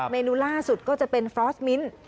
เมนูล่าสุดก็จะเป็นฟรอสมิ้น